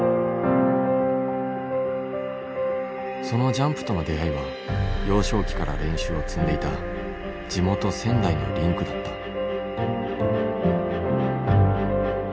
そのジャンプとの出会いは幼少期から練習を積んでいた地元仙台のリンクだった。